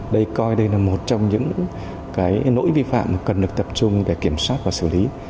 đây coi đây là một trong những lỗi vi phạm cần được tập trung để kiểm soát và xử lý